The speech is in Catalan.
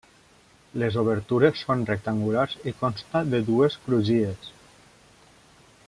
Les obertures són rectangulars i consta de dues crugies.